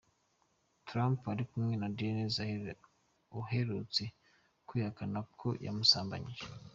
Trump ari kumwe na Daniels aherutse kwihakana ko yamusambanyije.